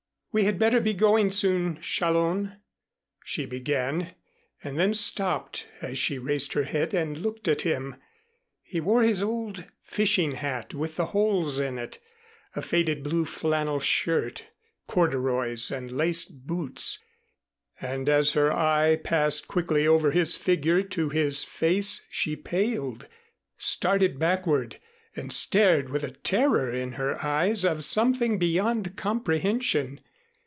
"We had better be going soon, Challón," she began and then stopped, as she raised her head and looked at him. He wore his old fishing hat with the holes in it, a faded blue flannel shirt, corduroys and laced boots; and as her eye passed quickly over his figure to his face, she paled, started backward and stared with a terror in her eyes of something beyond comprehension.